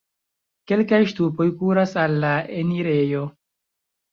Kelkaj ŝtupoj kuras al la enirejo.